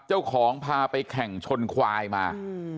เจ้าของพาไปแข่งชนควายมา